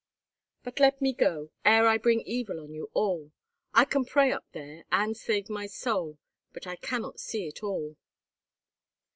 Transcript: "But let me go, ere I bring evil on you all. I can pray up there, and save my soul, but I cannot see it all."